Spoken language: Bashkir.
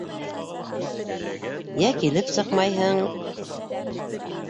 Йә килеп сыҡмайһың...